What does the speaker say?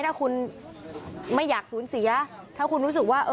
ถ้าคุณไม่อยากสูญเสียถ้าคุณรู้สึกว่า